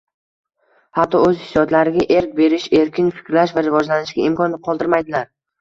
hatto o‘z hissiyotlariga erk berish, erkin fikrlash va rivojlanishga imkon qoldirmaydilar.